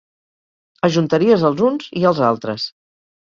Ajuntaries els uns i els altres.